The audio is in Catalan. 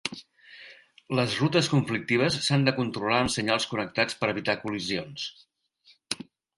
Les rutes conflictives s'han de controlar amb senyals connectats per evitar col·lisions.